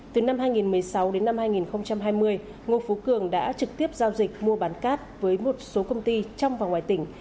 từ năm hai nghìn một mươi sáu đến năm hai nghìn hai mươi ngô phú cường đã trực tiếp giao dịch mua bán cát với một số công ty trong và ngoài tỉnh